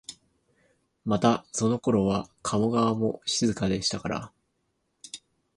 またそのころは加茂川も静かでしたから、